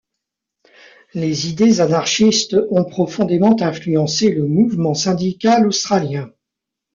Les idées anarchistes ont profondément influencé le mouvement syndical australien.